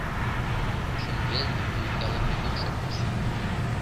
Шеҥгелне лӱйкалыме йӱк шоктыш.